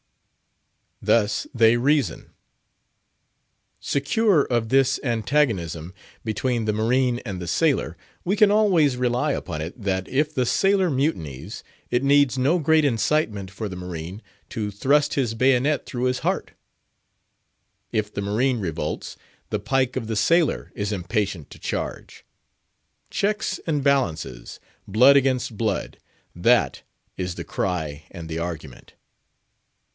Thus they reason: Secure of this antagonism between the marine and the sailor, we can always rely upon it, that if the sailor mutinies, it needs no great incitement for the marine to thrust his bayonet through his heart; if the marine revolts, the pike of the sailor is impatient to charge. Checks and balances, blood against blood, that is the cry and the argument.